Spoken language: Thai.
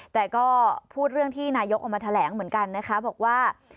แต่ก็พูดเรื่องที่นายกออกมาแถลงเหมือนกันนะคะบอกว่า